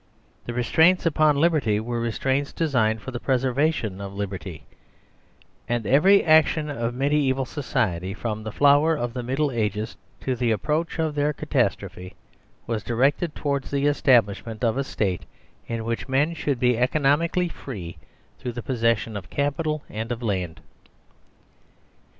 The restraints upon liberty were restraints designed for the preservation of liberty ; and every action of Mediaeval Society, from the flower of the 50 THE SERVILE DISSOLVED Middle Ages to the approach of their catastrophe, was directed towards the establishment of a State in which men should be economically free through the possession of capital and of land.